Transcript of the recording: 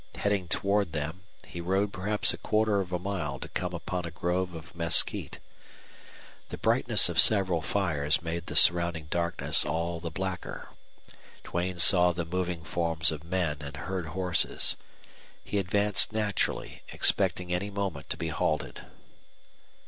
Heading toward them, he rode perhaps a quarter of a mile to come upon a grove of mesquite. The brightness of several fires made the surrounding darkness all the blacker. Duane saw the moving forms of men and heard horses. He advanced naturally, expecting any moment to be halted.